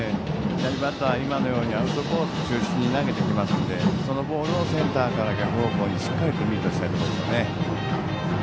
左バッターは今のようにアウトコース中心に投げてきますのでそのボールをセンターから逆方向にしっかりとミートしたいところですね。